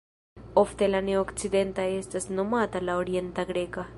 Ofte la ne-okcidenta estas nomata la Orienta Greka.